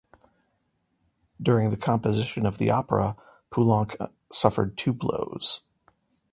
During the composition of the opera, Poulenc suffered two blows.